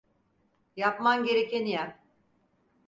Yapman gerekeni yap.